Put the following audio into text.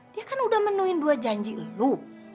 dia kan udah menuhin dua janji lo